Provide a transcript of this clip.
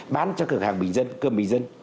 bán cho cửa hàng bình dân cơm bình dân